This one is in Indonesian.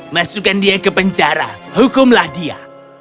masukkan dia ke penjara hukumlah dia